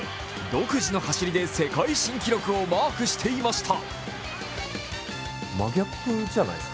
独自の走りで世界新記録をマークしていました。